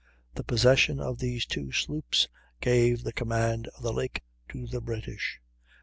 The possession of these two sloops gave the command of the lake to the British.